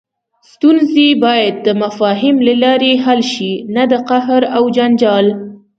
ستونزې باید د تفاهم له لارې حل شي، نه د قهر او جنجال.